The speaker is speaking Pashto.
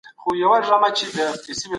څوک په امنیت شورا کي د ویټو حق لري؟